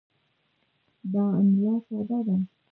دا املا ساده ده.